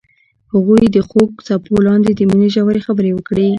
هغوی د خوږ څپو لاندې د مینې ژورې خبرې وکړې.